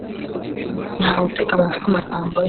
nta we utega amatwi amagambo ye